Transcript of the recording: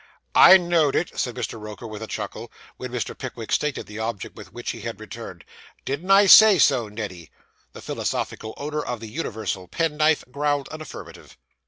'I knowed it!' said Mr. Roker, with a chuckle, when Mr. Pickwick stated the object with which he had returned. 'Didn't I say so, Neddy?' The philosophical owner of the universal penknife growled an affirmative.